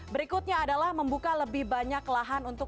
berikutnya adalah membuka lebih banyak lahan untuk